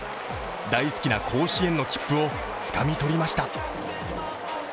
大好きな甲子園の切符をつかみ取りました。